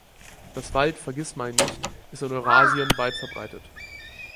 Das Wald-Vergissmeinnicht ist in Eurasien weit verbreitet.